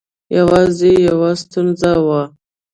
یوازې یوه ستونزه وه.